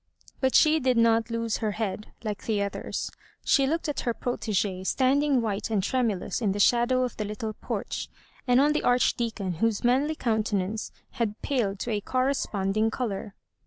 But she did not lose her head like the others. She looked at her protegee standing white and tremulous in the shadow of the Httle porch, and on the Arch deacon, whose manly countenance had paled to a correspondmg colour.